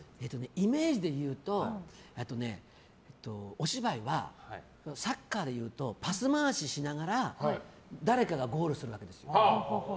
イメージでいうとお芝居はサッカーでいうとパス回ししながら誰かがゴールするわけですよ。